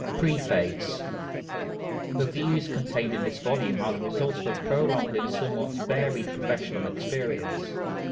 PREFACE. The views contained in this volume are the result of a prolonged and somewhat varied professional experience.